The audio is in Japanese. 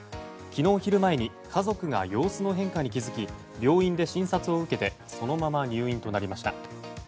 昨日昼前に家族が様子の変化に気づき病院で診察を受けてそのまま入院となりました。